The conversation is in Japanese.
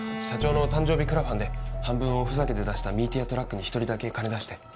社長の誕生日クラファンで半分おふざけで出したミーティアトラックに１人だけ金出して。